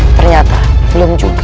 ternyata belum juga